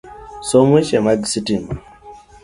Somo weche mag sitima,